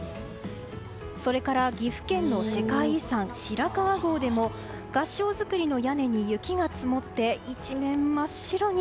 それから岐阜県の世界遺産・白川郷でも合掌造りの屋根に雪が積もって一面真っ白に。